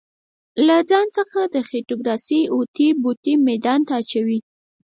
له ځان څخه د خېټوکراسۍ اوتې بوتې ميدان ته اچوي.